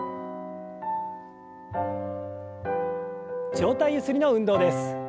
上体ゆすりの運動です。